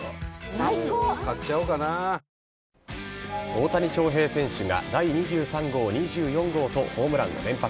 大谷翔平選手が第２３号、２４号とホームランを連発。